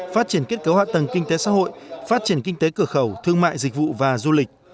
phát triển kết cấu hạ tầng kinh tế xã hội phát triển kinh tế cửa khẩu thương mại dịch vụ và du lịch